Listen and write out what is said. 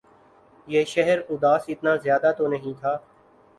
یہ شہر اداس اتنا زیادہ تو نہیں تھا